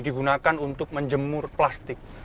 digunakan untuk menjemur plastik